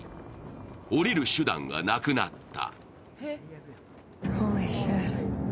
降りる手段がなくなった。